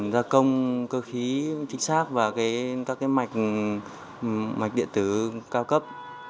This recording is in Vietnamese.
gia công cơ khí chính xác và các mạch mạch điện tử cao cấp